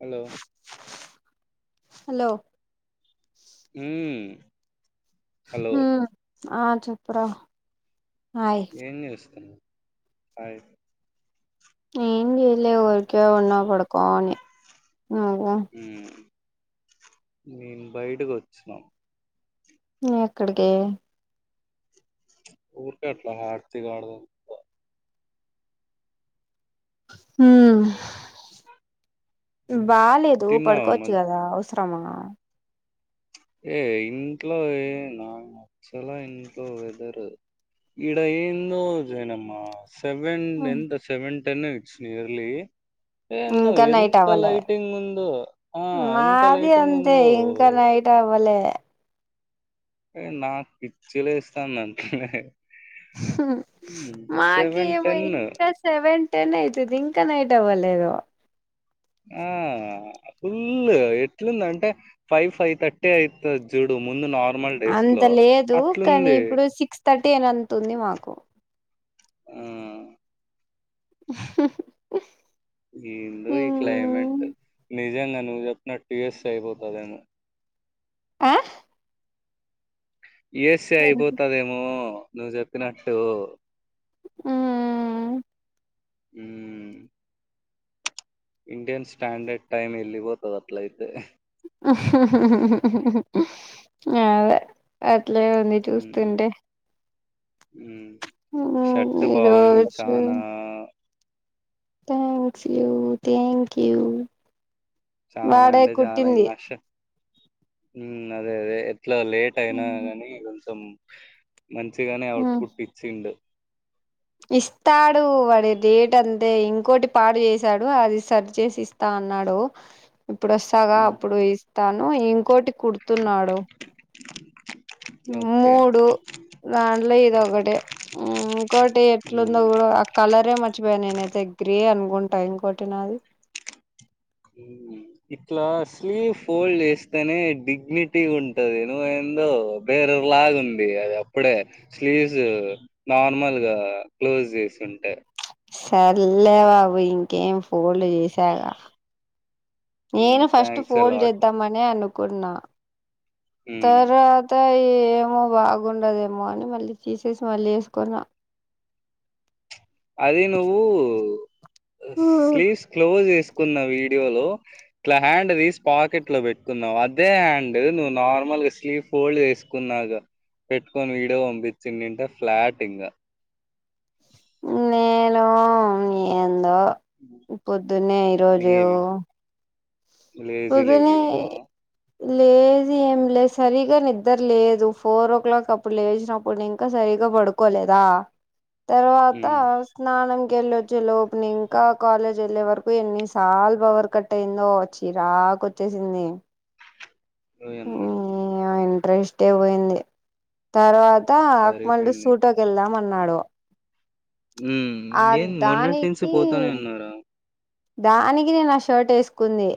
Hello hello హు హ్ ఆ చప్పురా ఏం జేస్తున్నావ్ హాయ్ ఏం చేయలే ఉరికే ఉన్నా పడుకోని. నువ్వు మేము బయటకి వచ్చినం. ఎక్కడికి? ఊరికే అట్లా హార్తి కాడ హుమ్ ఉమ్, బాలేదు తిన్నావా పడుకోవచ్చు మద్ కదా అవ స్రమా ఏ ఇంట్లో ఏ నాకు నచ్చలా ఇంట్లో వెదరు. ఇడ ఎందో జనమ్మా సెవెన్ ఎంత సెవెన్ టెన్ వచ్చి నియర్లీ ఏందో ఇంకా నైట్ ఎంత అవ్వలే లైటింగ్ ఉందో ఆ ఎంత లైటింగ్ ఉందో. నైయిట్ అవ్వలే అ నాకు పిచ్చిలేస్తాంది అందుకనే హ్ సెవెన్ మాకేమో టెన్ ఇంక సెవెన్ టెనె అయితది ఇంకా నైట్ అవ్వలేదు. ఆ ఫుల్ ఎట్లుందంటే ఫైవ్ ఫైవ్ థర్టీ అయితది చూడు ముందు నా అంత లేదు కానీ ఇప్పుడు సిక్స్ థర్టీ అని అంత ఉంది మాకు. ఆ [inaudible] ఎందో ఈ హ్మ్ క్లైమేట్ నిజంగా నువ్వు చెప్పినట్టు యూ ఎస్ ఎ అయిపోతదేమో. ఆ యూ ఎస్ ఎ అయిపోతదేమో నువ్వు చెప్పినట్టు. ఆ హ్ ఇండియన్ స్టాండర్డ్ టైమ్ ఎళ్ళి పోతది అట్లఅయితే. అదే ఆ ట్లే ఉంది చూస్స్తుంటే. హ్ షర్ట్ బావుంది ఈరోజు చానా. Thanks you thank you. చానా వాడే అంటే చానా కుట్టింది ఇంగా ష హ్ అదే అదే. ఇట్లో లేట్ అయినా ఉమ్, కాని కొంచెం మంచిగనే ఉమ్. అవుట్పుట్ ఇచ్చిండు. ఇస్తాడు వాడి డేట్ అంతే ఇంకోటి పాడు చేసాడు, అది సరి చేసి ఇస్తా అన్నాడు. ఇప్పుడు వస్తాగా ఉమ్, అప్పుడు ఇస్తాను ఇంకోటి కుడుతున్నాడు. ఓకే మూడు దాంట్లో ఇదోకటి. ఇంకోటి ఉమ్, ఎట్లుందో కూడా ఆ కలరే మర్చిపోయా నేనైతే గ్రే అనుకుం టా ఇంకోటినాది. హ్ ఇట్లా స్లీవ్ ఫోల్డ్ చేస్తనే డిగ్నిటీ ఉంటది. నువ్వ ఎందో బే గ్గర్ లాగ ఉంది. అది అప్పుడే స్లీవ్స్ నార్మల్ గా క్లోజ్ చేసుం టే సర్లే బాబు ఇంకేం ఫోల్డ్ చేసాగా. నేను ఫస్ట్ థ్యాంక్స్ ఫోల్డ్ అలాట్ చేద్దాంమనే అనుకున్నా. తర్వాత ఇగా ఏమో బాగుండదేమో అని మళ్ళీ తీసేసి మళ్ళీ ఎసుకున్నా. అది నువ్వు స్లీవ్స్ క్లోజ్ చేస్ కున్న వీడియో లో ఇట్ల హ్యాండ్ తీస్ పాకెట్ లో పెట్టుకున్నవు. అదే హ్యాండ్ నువ్వు నార్మల్ గా స్లీవ్ ఫోల్డ్ చేసుకున్నాక పెట్టుకొని విడియో పంపించిఉండుంటే ఫ్లాట్ ఇంగా నేను మీ ఎం దో పొద్దున్నే ఈరోజు ఏమి లేజీ లేజీగ ఉన్నావా. లేజీ ఏం లేద్ సరిగా నిద్దర్ లేదు. ఫోర్ ఓ క్లాక్ అప్పుడు లేశినప్పుడు ఇంకా సరి గ్గా పడుకోలేదా. తర్వాతా స్నానం కెళ్ళొచ్చే లోపు నింకా కాలేజ్ వెళ్ళే వరకు ఎన్నిసార్లు పవర్ కట్ అయిందోచ్చ్ చిరాకొచ్చేశింది. ఓయమ్మో [unintelligible] పోయింది. తర్వాతా మళ్ళి సరిపోయింది సూటోకి వెళ్దాం అన్నాడు. ఊ ఆ ఏంద్ మొన్నటి నుంచి దానికి పోతానే ఉన్నారా. దానికి నిన్న ఆ షర్ట్ ఏసుకుంది.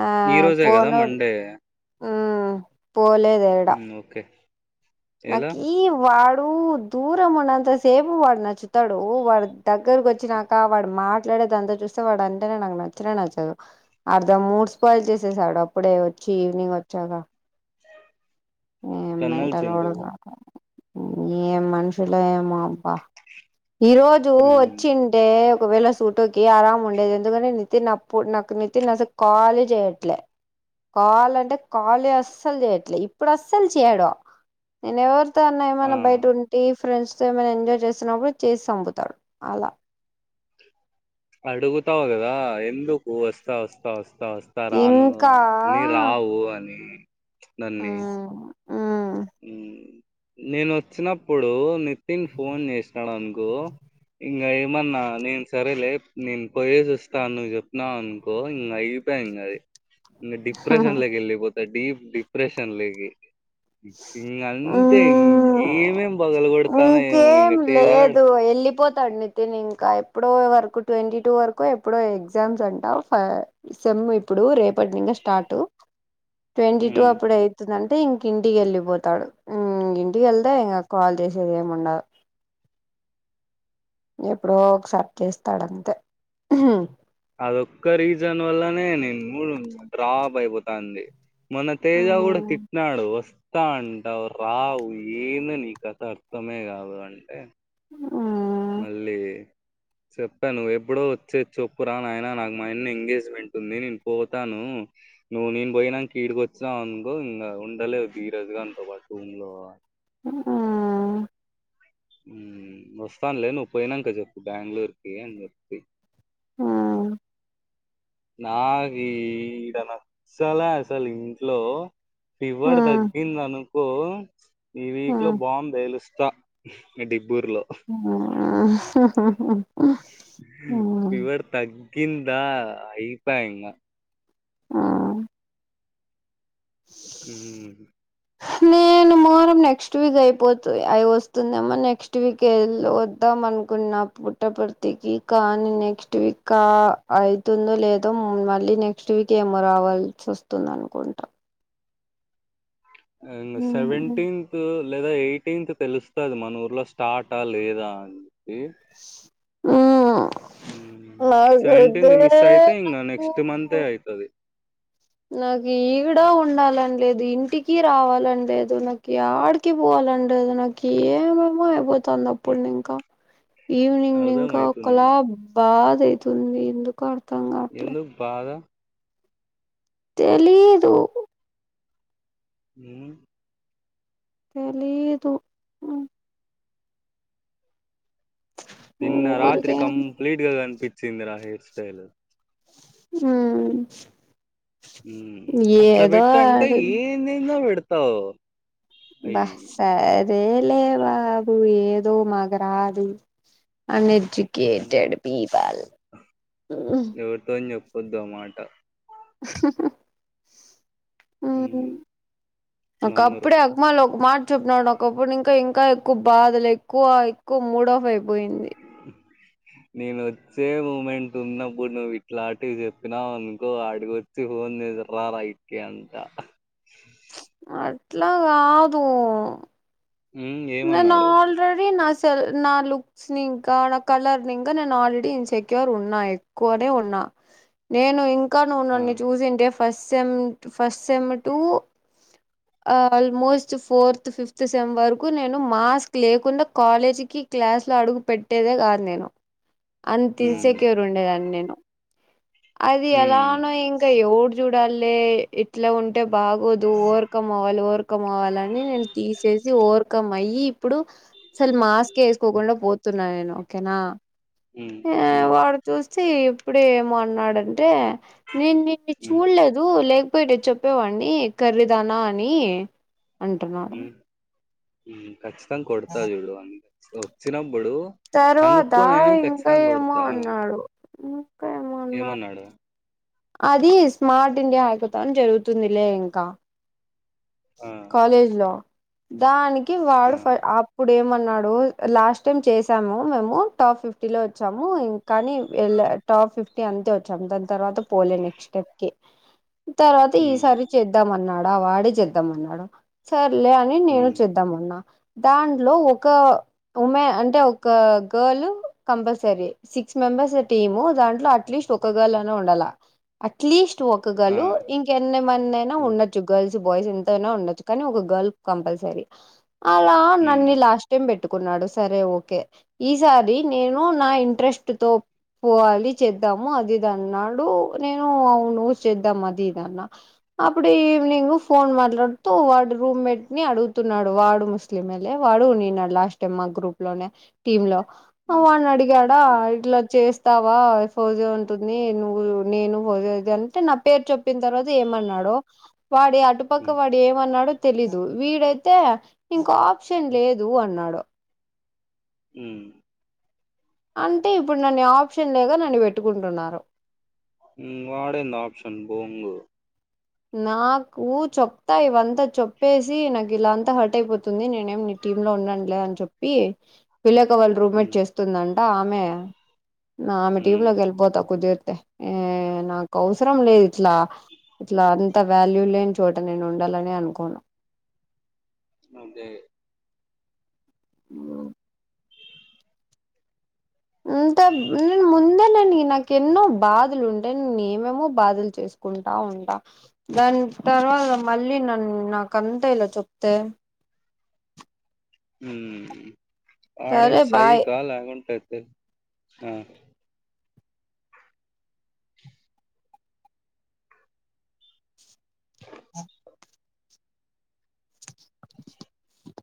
ఆ ఈ రోజే కదా పోను మండే ఆ ఊ ఓకే ఎలా నాకిీ వాడ్ ఊ దూరం ఉన్నంత సేపు వాడు నచ్చుతాడూ. వాడు దగ్గరకు వచ్చినాకా వాడు మాట్లాడ్ [unintelligible] దాంతో చూస్తే వాడు అంటనే నాకు నచ్చనే నచ్చదు. అర్ధ మూడ్ స్పాయిల్ చేశేసాడు అప్పుడే వచ్చి ఈవినింగ్ వచ్చాగా ఏం టన్నల్స్ మెంటలోడు ఏంటివి [inaudible] ఏం మనుషులో ఏమొ అబ్బా. ఈ రోజూ ఉమ్, వచ్చింటే ఒకవేళ స్ ఫోటోకి ఆరాం ఉండేది. ఎందుకని నితిన్ అప్పుడు నాకు నితిన్ అసల్ కాలే చేయ్యట్లే. కాల్ అంటే కాలే అస్సల్ చేయట్లే. ఇప్ ఇప్పుడ్ అస్సల్ చేయడూ. నేను ఎవరితో అన్నా ఏమన్నా బయట ఆ ఉంటీ ఫ్రెండ్స్ సో ఏమైనా ఎంజాయ్ చేస్తునప్పుడు చేసి సంపుతాడు అలా. అడుగుతావు గదా ఎందుకు వస్తా వస్తా వస్త్ స్తా వస్తా రానూ ఇంకా నీ రావు అనీ. నన్నీ మ్మ్ మ్మ్ ఊ నేను వచ్చినప్పుడూ నితిన్ ఫోన్ చేశినాడు అనుకో ఇంగ ఏమన్నా నేన్ సరేలే నేను పోయేసి వస్తాను నువ్వు చెప్న్నావు అనుకో ఇంగ అయిప్ పోయింది అది. ఇంగ డిప్రెషన్లో కి ఎళ్ళిపోతాడ్ డీప్ డిప్రెషన్లోకి. ఇంగంతే మ్మ్ ఇంగేమేమ్ పల్ ఇంకేం లేదు ఎళ్ళిపోత్ తాడు నితిన్ ఇంకా. ఎప్పుడో వరకు ట్వంటీ టూ వరకో ఎప్పుడో ఎగ్జామ్స్ అంటా ఫా సెమ్ మ్మ్ ఇప్పుడూ రేపటి నింగా స్టార్టు. ట్వంటీ టూ ఉమ్ అప్పుడు అయితుందంట్ టే ఇంక ఇంటికెళ్ళిపోతాడు. ఊ ఇంటికెళ్తే ఇంగ కాల్ చేశ్ జేముండదు. ఎప్పుడో ఒకసారి చేస్తాడంతే. అదొక్క రీజన్ వల్లనే నీ మూడు డ్రాప్ అయిపోతాంది. మొన్న తేజా గూడా మ్మ్ తిట్టినాడు వస్త్ స్తాను అంటావు రావు ఏందో నీ కథ అర్థమే గాదు అంటే మళ్ళీ చెప్పా నువ్వు ఎప్పుడో వచ్చేద్ చెప్పురా నాయనా. నాకు మాయన్న ఎంగేజ్మెంట్ ఉంది నేను పోతానూ. నువ్వు నేను పోయినంక ఈడికి వచ్చినావనుకో ఇంగా ఉండలేవ్ ధీరజ్ గాన్తో పాటు రూమ్ లో ఆ ఊ వస్తాన్లే నువ్వు పోయినంక చెప్పు బేంగళూర్కి అని చెప్తి. ఆ నాకీ ఈడ నచ్చలే అసల్ ఇంట్లో. ఫీవర్ తగ్గిందనుకో ఈ వీక్ లో నేను బాంబ్ పేలుస్ స్తా మీ డిబ్బూర్లో. ఆ ఫీవర్ తగ్గిందా అయిపాయ్ ఇంగా. ఆ హమ్ నేను మోహర్రం నెక్స్ట్ వీక్ అయిపోతది అయి వస్తుందమ్మ నెక్స్ట్ వీక్ వెళ్లి వద్దాం అనుకున్నా పుట్ట పర్తికి కానీ నెక్స్ట్ వీక్ కా అవుతుందో లేదో మళ్ళీ నెక్స్ట్ వీక్ ఏమో రావాల్సి వస్తుంది అనుకుంటా సెవెంటీన్త్ లేదా ఎయిటీన్త్ తెలుస్తది మన ఊర్లో స్టార్ట్ హా లేదా అని చెప్పి ఉం సేవెంటేంత్ మిస్ అయితే ఇంగ నెక్స్ట్ మంతే నాకు అయితది నాకు ఈడా ఉండాలని లేదు ఇంటికి రావాలని లేదు నాకు ఆడికి పోవాల అలాంటిది నాకు ఏమేమో అయిపోతుంది అప్పుడు ఇంకా ఈవినింగ్ అర్థం ఇంకా అయితుంది ఒకలా నాకు బాధ అయితుంది ఎందుక ఎందుకు బాధ తెలీయదు ఉం తెలీదు నిన్న రాత్రి ఊరికే కంప్లీట్గా కనిపిచ్చిందిరా నీ స్టైల్ హుమ్ ఉం అట్లా పెట్టంటే ఆడు ఏందేందో పెడతావు భ అయి సర్ ఏమ్లే బాబు ఏదో మాగురాదు అని పల్ [unintelligible] వొద్దు ఆ మాట [inaudible] హ్మ్ ఒక నమ్మరు అప్పుడు అక్మల్ ఒక మాట చెప్పినాడు ఒకప్పుడు ఇంకా ఇం ఇంకా ఎక్కువ బాధలు ఎక్కువ ఎక్కువ మూడ్ ఆఫ్ అయిపోయింది నేను వచ్చే మూమెంట్ ఉన్నప్పుడు నువ్వు ఇట్లాంటివి చెప్పినావు అనుకో అడిగ వచ్చి ందదారయితే అంత [unintelligible] అట్లా కాదు హ్మ్ నేను ఏమన్నాడు ఆల్రెడీ నా లుక్స్ ని ఇంకా నా కలర్ ని ఇంకా నేను ఆల్రెడీ ఇన్సెక్యూర్ ఉన్నా ఎక్కువనే ఉన్నా నేను ఇంకా నువ్వు ఆ నన్ను చూసింటే ఫస్ట్మ్ first sem to almost fourth fifth sem వరకు కు నేను మాస్క్ లేకుండా కాలేజీకి క్లాస్ లో అడుగు పెట్టేదే కాదు నేను అంత ఇన్ హ్మ్ సెక్యూర్ ఉండేదాన్ని నేను అది హ్మ్ ఎలానో ఇంగ ఎవడు చూడాలే ఇట్లా ఉంటే బాగోదు ఓవర్కమ్ అవ్వాలి ఓర్ కం అవ్వాలని నేను తీసేసి ఓవర్కమ్ అయ్యి ఇప్పుడు అసలు మాస్క్ వేసుకోకుండా పోతున్నా నేను ఓకేనా హ్మ్ ఆ హ్మ్ వాడు చూస్తే ఇప్పుడే ఏమో అన్నాడు అంటే నేను నిన్ను హ్మ్ చూడలేదు లే చెప్పేవాడిని కర్రీదానా అని అంటున్నాడు ఉం ఖచ్చితంగా కొడతా చూడు వాన్ని అ వచ్చినప్పు ప్పుడు తర్వాత కనుక్కోని అయిన ఇంకా ఖచ్చితంగా ఏమో కొడతా అన్నాడు ఇంకా ఏమో అన్నాడు ఏమన్నాడు అది స్మార్ట్ ఇండియా హకథాన్ జరుగుతుందిలే ఇంకా ఆ కాలేజ్ లో దానికి ఆ వాడు అప్పుడు ఏమన్నా న్నడూ లాస్ట్ టైమ్ చేసాము మేము టాప్ ఫిఫ్టీ లో వచ్చాము ఇంకా కానీ టాప్ టాప్ ఫిఫ్టీ అంతే వచ్చాం దాని తర్వాత పోలే నెక్స్ట్ స్టెప్ కి తర్వాత హ్మ్ ఈసారి చేద్దాం అన్నాడు వాడే చేద్దామన్నాడు సర్లే అని నేను హ్మ్ చేద్దామన్నా దాంట్లో ఒక ఉమెన్ అంటే ఒక girl compulsory six members team దాంట్లో అట్లీస్ట్ ఒక గర్ల్ ఉండాల అట్లీస్ట్ ఒక ఆ గర్ల్ ఇంకెన్నమన్నయినా ఉమ్ ఉండొచ్చు గర్ల్స్ బాయ్స్ ఎంతనా ఉండొచ్చు కానీ ఒక గర్ల్ కంపల్సరీ అలా ఉమ్ నన్ను లాస్ట్ టైం పెట్టుకట్టుకున్నాడు సరే ఓకే ఈసారి నేను నా ఇంట్రెస్ట్ తో పోవాలి చేద్దాము అది ఇది అన్నాడు నేను అవును చేద్దాం అది ఇదన్న అప్పుడు ఈవినింగ్ ఫోన్ మాట్లాడుతూ వాడు రూమ్మేట్ ని అడుగుతున్నాడు వాడు ముస్లిం లే వాడు నిన్నాడు లాస్ట్ టైమ్ మా గ్రూప్ లోనే టీమ్ లో ఉమ్ వాని అడిగాడా ఇట్లా చేస్తావా ఫోజియో ఉంటుంది నువ్వు నేను వదేది అంటే నా పేరు చెప్పిన తర్వాత ఏమన్నాడో వాడు ఉమ్ అటుపక్క వాడు ఏమన్నాడో తెలీదు వీడైతే ఇంకో ఆప్షన్ లేదు అన్నాడు ఉ అంటే ఇప్పుడు నన్ను ఆప్షన్ లేగా నన్ను పెట్టుకుంటున్నారు వాడేంది ఆప్షన్ బొంగు నాకు చెప్తా ఇవంతా చెప్పేసి నాకు ఇలా అంతా హట్ అయిపోతుంది నేనేమి ని టీమ్ లో ఉన్నాండిలే అని చెప్పి పీలేక వాళ్ళు రూమ్మేట్ ఉమ్ చేస్తుందంట ఆమె ఆమె టీమ్ ఉమ్ లోకి వెళ్ళిపోతా కుదిరేతే ఏ నాకు అవసరం లేదు ఇట్లా ఇట్లా అంత వాల్యూ లేని చోట నేను ఉండాలని అనుకోను అంతే అ అహ అంత నేను ముందే నేను నాకు ఎన్నో బాధలు ఉంటే నే ఏమేమో బాధలు చేసుకుంటాం అంత దాని తర్వాత మళ్ళీ నన్ను నాక అంతా ఇలా చెప్తే ఉ సరే వాడేమన్నా బాయ్ సైకో లేకుంటే ఉ హు ఆ [inaudible]